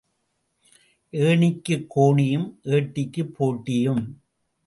ஏணிக்குக் கோணியும் ஏட்டிக்குப் போட்டியும்.